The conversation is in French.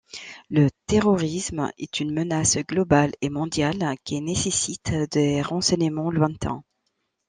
Le terrorisme est une menace globale et mondiale qui nécessite des renseignements lointains.